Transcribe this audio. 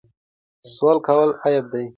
سوال کول عیب دی.